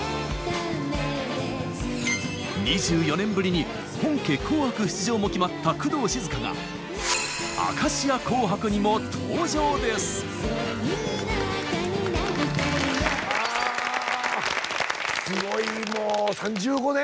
２４年ぶりに本家「紅白」出場も決まった工藤静香があすごいもう３５年。